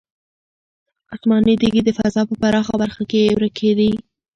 آسماني تیږې د فضا په پراخه برخه کې ورکې دي.